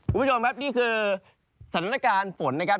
คุณผู้ชมครับนี่คือสถานการณ์ฝนนะครับ